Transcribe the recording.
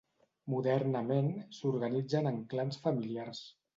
Modernament, s'organitzen en clans familiars.